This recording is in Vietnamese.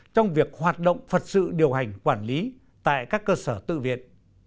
trong việc hoạt động phật sự điều hành quản lý tại các cơ sở tự viện